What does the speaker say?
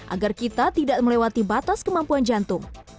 agar kita tidak melewati batas kemampuan jantung